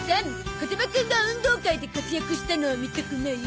風間くんが運動会で活躍したの見たくない？